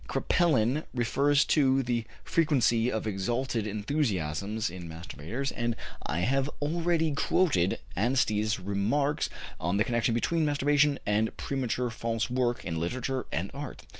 Kraepelin refers to the frequency of exalted enthusiasms in masturbators, and I have already quoted Anstie's remarks on the connection between masturbation and premature false work in literature and art.